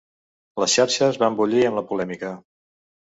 Les xarxes van bullir amb la polèmica.